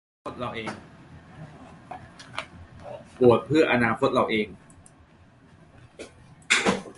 โหวตเพื่ออนาคตเราเอง